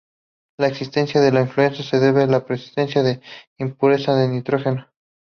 La existencia de la fluencia se debe a la presencia de impurezas de nitrógeno.